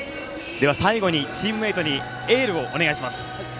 最後にチームメートにエールをお願いします。